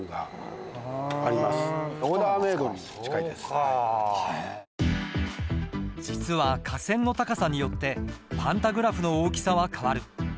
そう実は架線の高さによってパンタグラフの大きさは変わる。